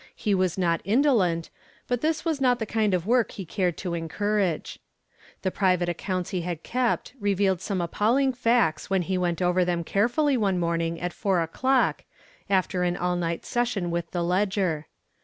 He was not indolent, but this was not the kind of work he cared to encourage. The private accounts he had kept revealed some appalling facts when he went over them carefully one morning at four o'clock, after an all night session with the ledger.